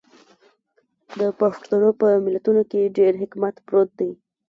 د پښتنو په متلونو کې ډیر حکمت پروت دی.